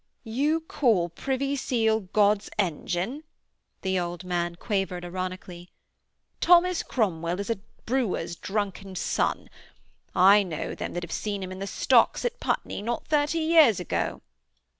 'You call Privy Seal God's engine?' the old man quavered ironically. 'Thomas Cromwell is a brewer's drunken son. I know them that have seen him in the stocks at Putney not thirty years ago.'